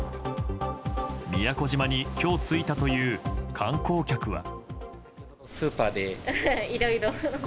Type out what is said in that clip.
宮古島に今日着いたという観光客は。